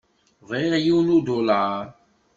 Bɣiɣ yiwen udulaṛ.